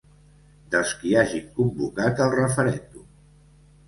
Dels qui hagin convocat el referèndum.